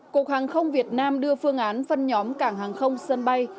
cục hàng không việt nam đưa phương án phân nhóm cảng hàng không sân bay